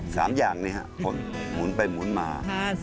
สามอย่างนี้ครับหมุนไปหมุนมา